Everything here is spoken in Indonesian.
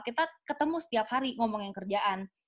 kita ketemu setiap hari ngomongin kerjaan